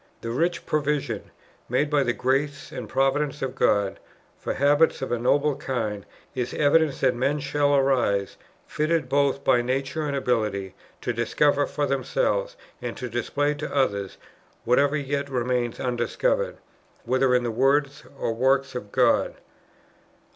The rich provision, made by the grace and providence of God, for habits of a noble kind, is evidence that men shall arise, fitted both by nature and ability, to discover for themselves, and to display to others, whatever yet remains undiscovered, whether in the words or works of God."